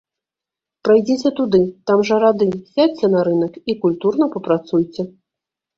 Прайдзіце туды, там жа рады, сядзьце на рынак, і культурна папрацуйце.